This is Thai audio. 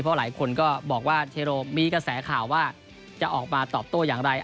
เพราะหลายคนก็บอกว่าเทโรมีกระแสข่าวว่าจะออกมาตอบโต้อย่างไร